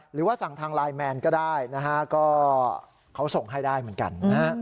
หรือว่าสั่งทางไลน์แมนก็ได้เขาส่งให้ได้เหมือนกัน